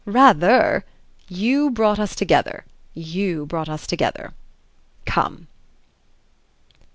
Rather! You brought us together, you brought us together. Come!"